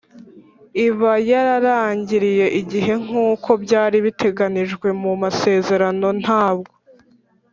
Iba yararangiriye igihe nk uko byari biteganijwe mu masezerano ntabwo